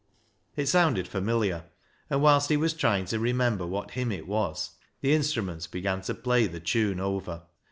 It sounded familiar, and whilst he was trying to remember what hymn it was, the instruments began to play the tune over.